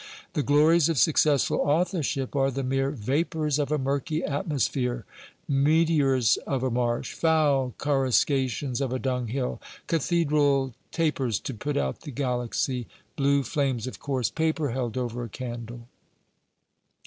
The glories of successful authorship are the mere vapours of a murky atmosphere, meteors of a marsh, foul coruscations of a dunghill, cathedral tapers to put out the galaxy, blue flames of coarse paper held over a candle.